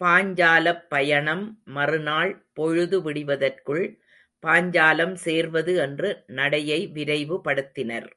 பாஞ்சாலப் பயணம் மறுநாள் பொழுது விடிவதற்குள் பாஞ்சாலம் சேர்வது என்று நடையை விரைவுபடுத்தினர்.